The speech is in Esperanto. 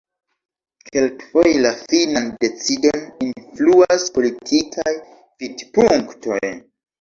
Kelkfoje la finan decidon influas politikaj vidpunktoj.